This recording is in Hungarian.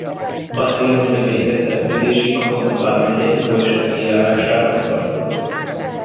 A trianoni békeszerződésig Hont vármegye Ipolysági járásához tartozott.